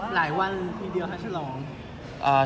หลายวันทีเดียวครับชะลอง